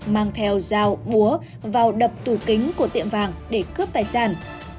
mang theo dao búa vào đập tù kính của tiệm vàng để cướp tài sản